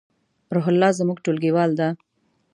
روح الله زمونږ ټولګیوال ده